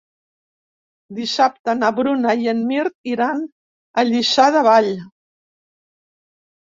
Dissabte na Bruna i en Mirt iran a Lliçà de Vall.